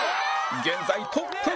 現在トップ！